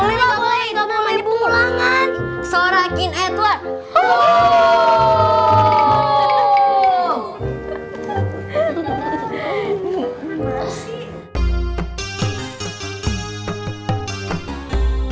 itu tidak boleh